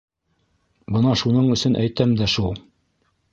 — Бына шуның өсөн әйтәм дә шул.